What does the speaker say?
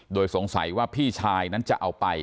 โดยสงสัยว่าพี่ชายนั้นจะเอาไป